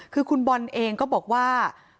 คือคุณบอลเองก็บอกว่า